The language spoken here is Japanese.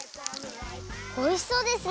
おいしそうですね！